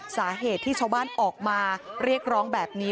สาเหตุที่ชาวบ้านออกมาเรียกร้องแบบนี้